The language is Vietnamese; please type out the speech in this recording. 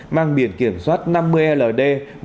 mang biển kiểm soát năm mươi ld